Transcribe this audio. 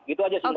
gitu aja sih mbak